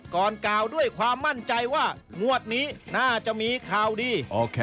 กล่าวด้วยความมั่นใจว่างวดนี้น่าจะมีข่าวดี